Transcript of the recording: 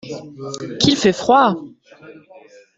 Qu’il fait froid !